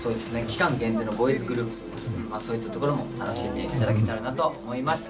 期間限定のボーイズグループということでそういったところも楽しんでいただけたらなと思います